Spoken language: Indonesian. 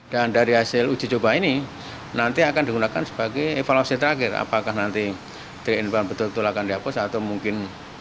dan dari hasil uji coba ini nanti akan digunakan sebagai evaluasi terakhir apakah nanti tiga in satu betul betul akan dihapus atau mungkin tidak